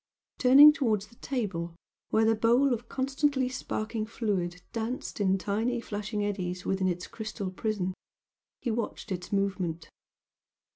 Turning towards the table where the bowl of constantly sparkling fluid danced in tiny flashing eddies within its crystal prison, he watched its movement.